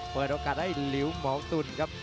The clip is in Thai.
เปิดโอกาสให้ริวเบาตุ้นครับ